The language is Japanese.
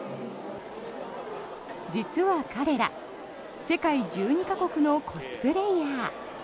実は彼ら、世界１２か国のコスプレーヤー。